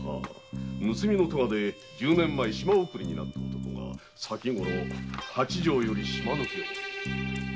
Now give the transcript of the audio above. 盗みの科で十年前島送りになった男が先ごろ八丈より島抜けを。